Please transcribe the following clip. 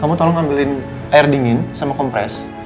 kamu tolong ngambilin air dingin sama kompres